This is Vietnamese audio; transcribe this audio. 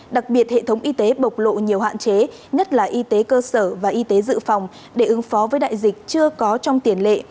đặc biệt hệ thống y tế bộc lộ nhiều hạn chế nhất là y tế cơ sở và y tế dự phòng để ứng phó với đại dịch chưa có trong tiền lệ